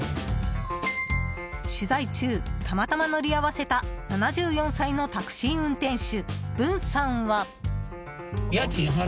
取材中、たまたま乗り合わせた７４歳のタクシー運転手ぶんさんは。